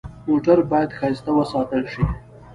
موټر باید ښایسته وساتل شي.